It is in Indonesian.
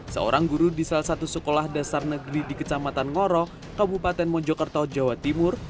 seorang guru di salah satu sekolah dasar negeri di kecamatan ngoro kabupaten mojokerto jawa timur